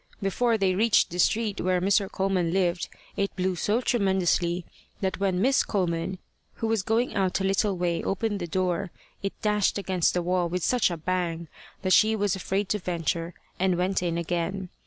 Before they reached the street where Mr. Coleman lived it blew so tremendously, that when Miss Coleman, who was going out a little way, opened the door, it dashed against the wall with such a bang, that she was afraid to venture, and went in again.